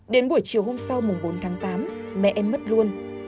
đến buổi chiều hôm sau mùng bốn tháng tám mẹ em mất luôn